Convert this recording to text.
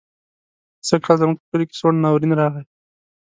سږکال زموږ په کلي کې سوړ ناورين راغی.